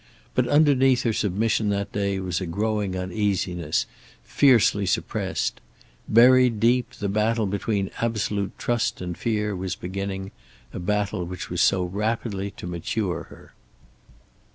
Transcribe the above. But underneath her submission that day was a growing uneasiness, fiercely suppressed. Buried deep, the battle between absolute trust and fear was beginning, a battle which was so rapidly to mature her.